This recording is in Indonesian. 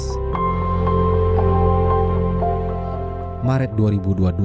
pusat rehabilitasi harimau sumatera